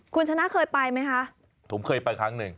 คุณชนะเคยไปไหมคะผมเคยไปครั้งหนึ่ง